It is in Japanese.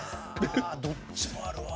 どっちもあるわ。